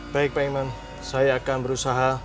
baik pak iman saya akan berusaha